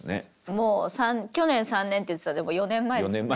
もう去年３年って言ってたもう４年前ですね。